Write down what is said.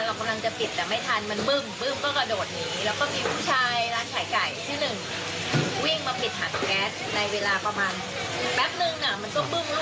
แล้วก็มีลูกค้าร้านขายก๋วยเตี๋ยว